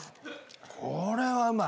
これはうまい。